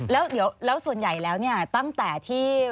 แล้วส่วนใหญ่แล้วเนี่ยตั้งแต่ที่